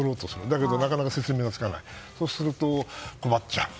だけどなかなか、説明がつかないとすると困っちゃう。